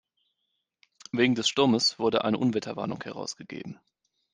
Wegen des Sturmes wurde eine Unwetterwarnung herausgegeben.